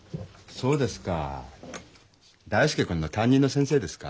そうですか。